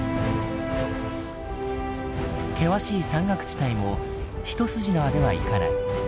険しい山岳地帯も一筋縄ではいかない。